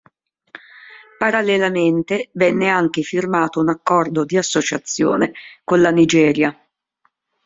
Parallelamente venne anche firmato un accordo di associazione con la Nigeria.